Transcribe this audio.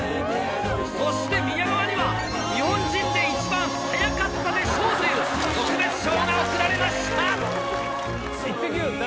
そして宮川には、日本人で一番早かったで賞という特別賞が贈られました。